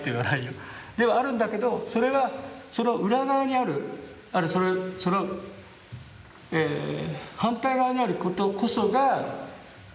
ではあるんだけどそれはその裏側にあるその反対側にあることこそが。